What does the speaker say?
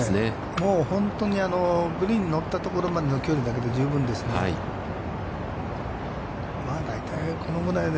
もう本当にグリーンに乗ったところまでの距離だけで十分ですので。